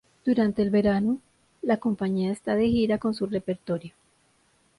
Durante el verano, la compañía está de gira con su repertorio.